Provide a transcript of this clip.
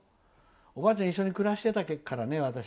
おばあちゃんと一緒に暮らしてたからね。